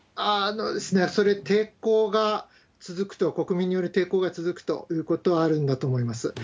それ、抵抗が続くと、国民による抵抗が続くということはあるんだと思います。